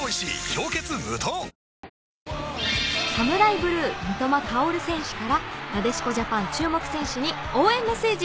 あＳＡＭＵＲＡＩＢＬＵＥ・三笘薫選手からなでしこジャパン注目選手に応援メッセージ。